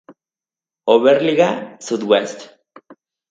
Oberliga Südwest.